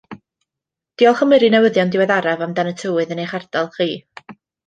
Diolch am yrru newyddion diweddaraf amdan y tywydd yn eich ardal chi